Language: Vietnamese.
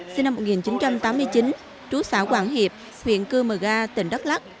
sinh năm một nghìn chín trăm tám mươi chín trú xã quảng hiệp huyện cư mờ ga tỉnh đắk lắc